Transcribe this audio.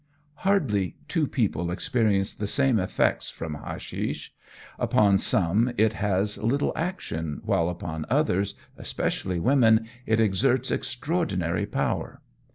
Hardly two people experience the same effects from hashish. Upon some it has little action, while upon others, especially women, it exerts extraordinary power.